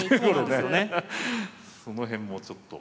その辺もちょっと。